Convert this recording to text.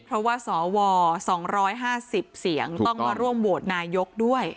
เพราะว่าสว๒๕๐เสียงต้องมาร่วมโหวตนายกด้วย